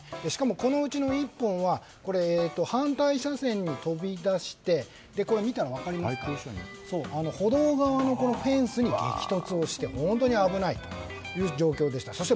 しかも、このうちの１本は反対車線に飛び出して歩道側のフェンスに激突して本当に危ないという状況でした。